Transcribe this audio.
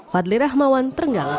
fadli rahmawan trenggalek